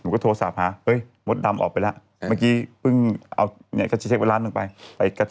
คุณมดดำเสร็จเรียบร้อยนะครับ